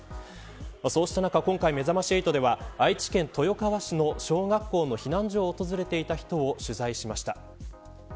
そうした中今回めざまし８では愛知県豊川市の小学校の避難所を訪れていた人を取材しました。